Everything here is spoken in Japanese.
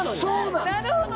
なるほど！